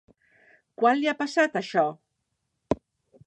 Quan li ha passat això?